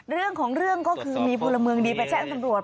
เรื่องของเรื่องก็คือมีภูมิเมืองได้แส้อันตรวจ